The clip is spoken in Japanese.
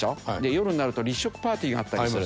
夜になると立食パーティーがあったりする。